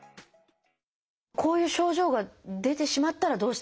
こういう症状が出てしまったらどうしたらいいですか？